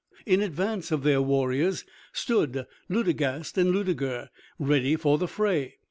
In advance of their warriors stood Ludegast and Ludeger ready for the fray.